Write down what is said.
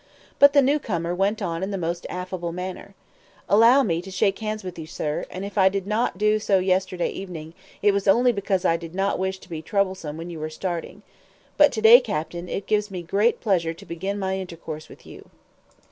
But the new comer went on in the most affable manner. "Allow me to shake hands with you, sir; and if I did not do so yesterday evening, it was only because I did not wish to be troublesome when you were starting. But to day, captain, it gives me great pleasure to begin my intercourse with you."